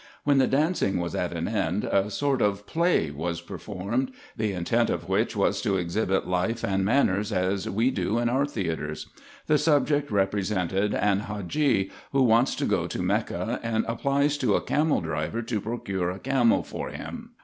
When the dancing was at an end, a sort of play was performed, the intent of which was to exhibit life and man ners, as we do in our theatres. The subject represented an Hadgee, who wants to go to Mecca, and applies to a camel driver, to procure a camel for him.